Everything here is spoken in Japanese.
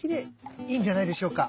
いいんじゃないでしょうか？